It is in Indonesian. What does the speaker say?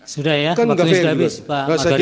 sudah ya pak ferdinand sudah habis pak magar itu